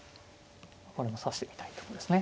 これも指してみたいとこですね。